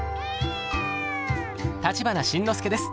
立花慎之介です。